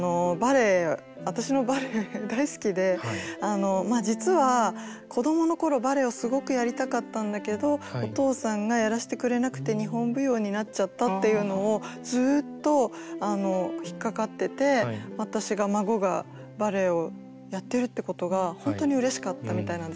私のバレエ大好きで実は子どもの頃バレエをすごくやりたかったんだけどお父さんがやらしてくれなくて日本舞踊になっちゃったっていうのをずっと引っ掛かってて私が孫がバレエをやってるってことが本当にうれしかったみたいなんです。